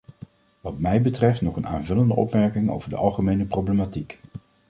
Wat mij betreft nog een aanvullende opmerking over de algemene problematiek.